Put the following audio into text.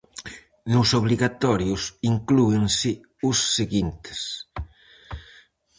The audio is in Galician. Nos obrigatorios inclúense os seguintes: